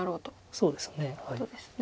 そうですね。